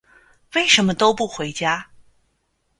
为什么都不回家？